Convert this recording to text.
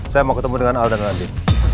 saya mau ketemu dengan aldan nanti